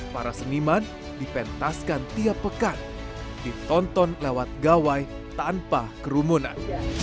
para seniman dipentaskan tiap pekan ditonton lewat gawai tanpa kerumunan